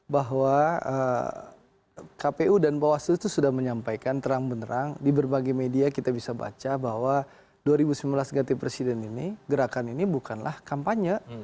bahwa kpu dan bawaslu itu sudah menyampaikan terang benerang di berbagai media kita bisa baca bahwa dua ribu sembilan belas ganti presiden ini gerakan ini bukanlah kampanye